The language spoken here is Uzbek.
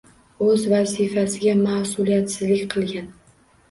O‘z vazifasiga mas’uliyatsizlik qilgan.